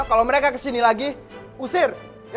kalau mereka kesini lagi usir